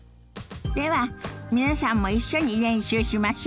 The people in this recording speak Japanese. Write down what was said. では皆さんも一緒に練習しましょ。